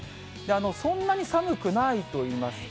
そんなに寒くないといいますか。